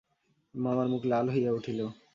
মামার মুখ লাল হইয়া উঠিল।